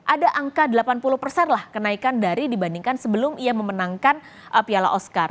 ada angka delapan puluh persen lah kenaikan dari dibandingkan sebelum ia memenangkan piala oscar